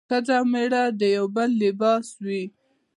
ښځه او مېړه د يو بل لباس وي